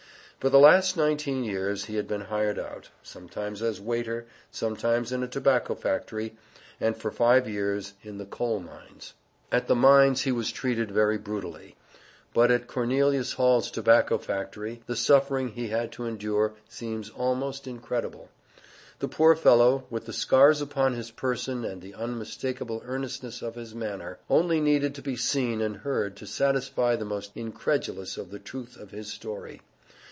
For the last nineteen years he had been hired out, sometimes as waiter, sometimes in a tobacco factory, and for five years in the Coal Mines. At the mines he was treated very brutally, but at Cornelius Hall's Tobacco factory, the suffering he had to endure seems almost incredible. The poor fellow, with the scars upon his person and the unmistakable earnestness of his manner, only needed to be seen and heard to satisfy the most incredulous of the truth of his story.